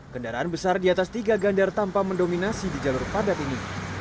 kendaraan besar di atas tiga gandar tanpa mendominasi di jalur padat ini